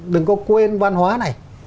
đừng có quên văn hóa này